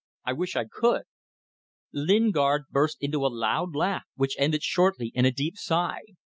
I wish I could ..." Lingard burst into a loud laugh which ended shortly in a deep sigh.